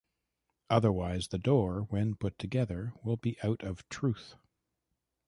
Otherwise the door, when put together, will be out of truth.